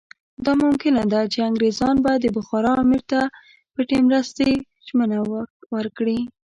دا ممکنه ده چې انګریزان به د بخارا امیر ته پټې مرستې ژمنه ورکړي.